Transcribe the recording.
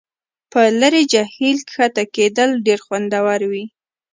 په لرې جهیل کښته کیدل ډیر خوندور وي